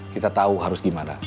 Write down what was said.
kita tahu harus gimana